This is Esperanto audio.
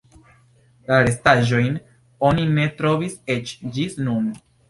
La restaĵojn oni ne trovis eĉ ĝis nun.